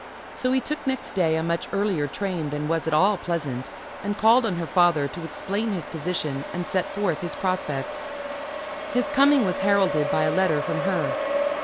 So he took next day a much earlier train than was at all pleasant, and called on her father to explain his position and set forth his prospects. His coming was heralded by a letter from her.